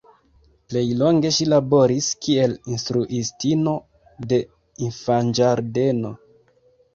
Plej longe ŝi laboris kiel instruistino de infanĝardeno.